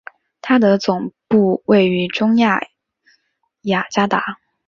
它的总部位于中亚雅加达。